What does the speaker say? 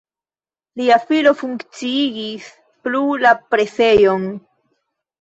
Lia filo funkciigis plu la presejon.